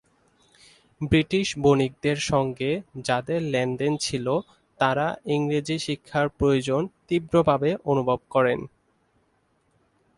British বণিকদের সঙ্গে যাদের লেনদেন ছিল, তারা ইংরেজি শিক্ষার প্রয়োজন তীব্রভাবে অনুভব করেন।